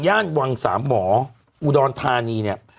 ย่างวังสามหมออุดอนธานีเนี่ย